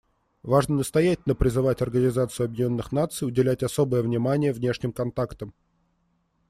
Важно настоятельно призывать Организацию Объединенных Наций уделять особое внимание внешним контактам.